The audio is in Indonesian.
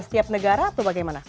setiap negara atau bagaimana